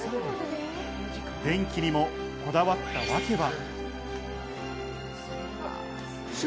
電気にもこだわったワケは。